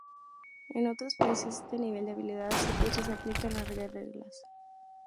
En otros países, este nivel de habilidad ecuestre se aplicaba en las guerras.